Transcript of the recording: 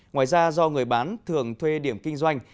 ngoài ra do người bán thường thuê điểm kinh doanh